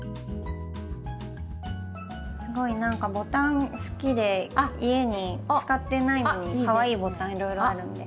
すごい何かボタン好きで家に使ってないのにかわいいボタンいろいろあるので。